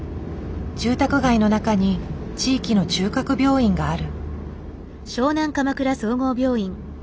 住宅街の中に地域の中核病院がある。